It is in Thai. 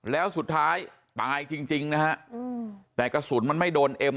แล้วสุดท้ายตายจริงนะฮะแต่กระสุนมันไม่โดนเอ็ม